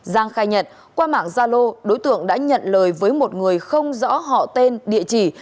giang khai nhận qua mạng gia lô đối tượng đã nhận lời với một người không rõ họ tên địa chỉ